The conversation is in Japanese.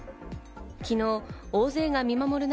昨日、大勢が見守る中、